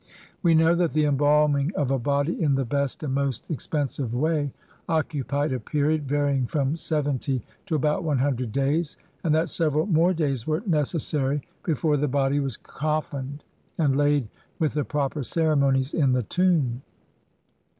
We know that the embalming of a body in the best and most ex pensive way occupied a period varying from seventy to about one hundred days, and that several more days were necessary before the body was coffined and laid with the proper ceremonies in the tomb.